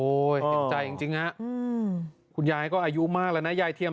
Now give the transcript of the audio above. โอ้ยเช็ดใจจางจริงค่ะคุณยายก็อายุมากแล้วนะยายเทียม